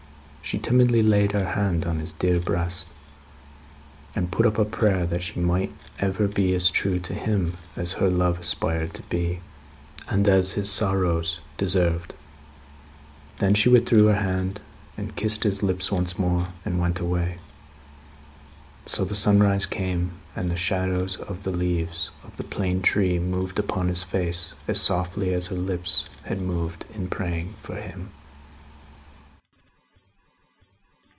She timidly laid her hand on his dear breast, and put up a prayer that she might ever be as true to him as her love aspired to be, and as his sorrows deserved. Then, she withdrew her hand, and kissed his lips once more, and went away. So, the sunrise came, and the shadows of the leaves of the plane tree moved upon his face, as softly as her lips had moved in praying for him.